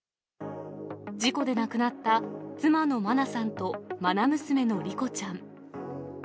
事故で亡くなった妻の真菜さんとまな娘の莉子ちゃん。